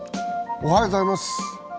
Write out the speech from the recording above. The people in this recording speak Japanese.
おはようございます。